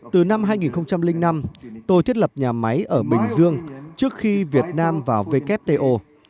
từ năm hai nghìn năm tôi thiết lập nhà máy ở bình dương trước khi việt nam vào wto